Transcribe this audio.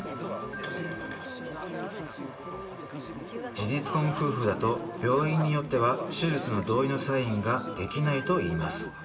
事実婚夫婦だと病院によっては手術の同意のサインができないといいます。